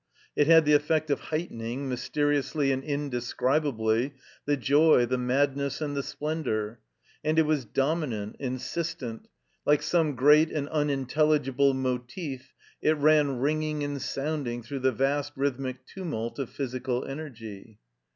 It had the effect of heightening, mysteriously and indescribably, the joy, the madness, and the splendor. And it was dominant, insistent. Like some great and unintel ligible motif it ran ringing and sotmding through the vast rhythmic tumtdt of physical energy.